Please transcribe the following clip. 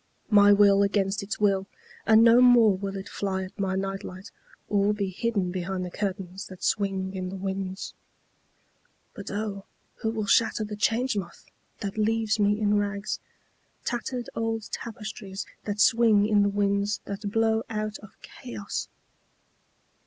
My will against its will, and no more will it fly at my night light or be hidden behind the curtains that swing in the winds.(But O who will shatter the Change Moth that leaves me in rags—tattered old tapestries that swing in the winds that blow out of Chaos!)